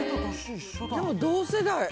でも同世代。